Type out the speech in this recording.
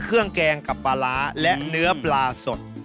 เครื่องแกงกับปลาร้าและเนื้อปลาสด